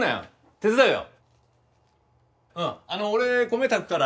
手伝うよ。